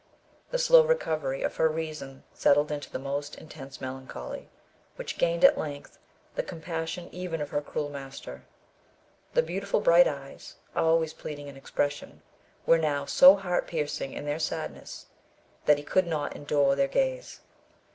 The slow recovery of her reason settled into the most intense melancholy, which gained at length the compassion even of her cruel master. The beautiful bright eyes, always pleading in expression, were now so heart piercing in their sadness, that he could not endure their gaze.